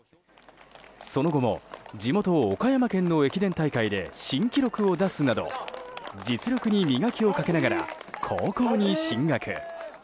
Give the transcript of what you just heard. その後も、地元・岡山県の駅伝大会で新記録を出すなど実力に磨きをかけながら高校に進学。